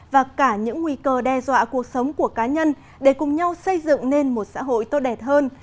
và cả những nguy cơ đe dọa cuộc sống của cá nhân để cùng nhau xây dựng nên một xã hội tốt đẹp hơn